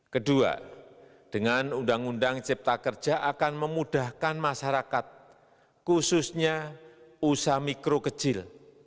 kedua dengan undang undang cipta kerja akan memudahkan masyarakat khususnya usaha mikro kecil